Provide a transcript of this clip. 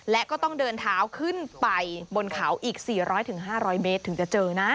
และก็ต้องเดินเท้าขึ้นไปบนเขาอีก๔๐๐๕๐๐เมตรถึงจะเจอนะ